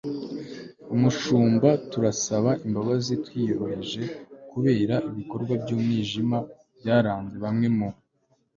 umushumba, turasaba imbabazi twiyoroheje kubera ibikorwa by'umwijima byaranze bamwe mu